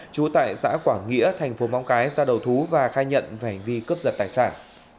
chú tại xã quảng nghĩa thành phố mong cái ra đầu thú và khai nhận phải vì cướp giật tài sản